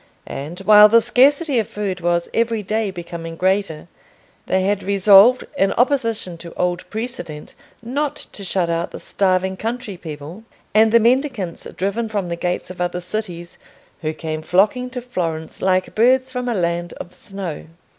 And while the scarcity of food was every day becoming greater, they had resolved, in opposition to old precedent, not to shut out the starving country people, and the mendicants driven from the gates of other cities, who came flocking to Florence like birds from a land of snow.